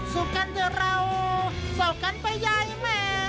สู้กันเดียวเราสวบกันไปใหญ่แม่